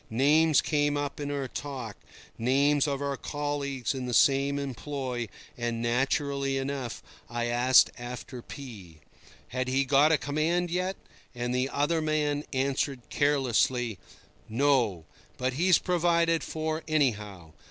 Names came up in our talk, names of our colleagues in the same employ, and, naturally enough, I asked after P—. Had he got a command yet? And the other man answered carelessly: "No; but he's provided for, anyhow.